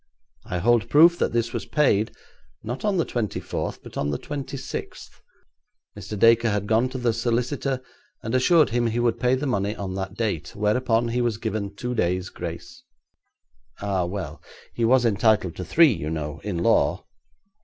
I hold proof that this was paid, not on the twenty fourth, but on the twenty sixth. Mr. Dacre had gone to the solicitor and assured him he would pay the money on that date, whereupon he was given two days' grace.' 'Ah, well, he was entitled to three, you know, in law.